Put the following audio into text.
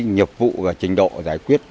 nhập vụ và trình độ giải quyết